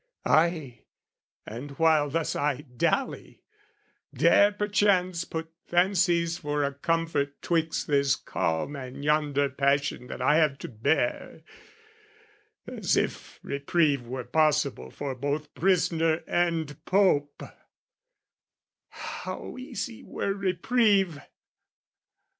Ay, and while thus I dally, dare perchance Put fancies for a comfort 'twixt this calm And yonder passion that I have to bear, As if reprieve were possible for both Prisoner and Pope, how easy were reprieve!